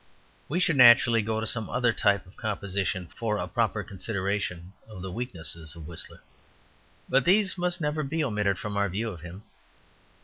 We should naturally go to some other type of composition for a proper consideration of the weaknesses of Whistler. But these must never be omitted from our view of him.